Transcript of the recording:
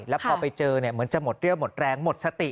แล้วพอไปเจอเหมือนจะหมดเรี่ยวหมดแรงหมดสติ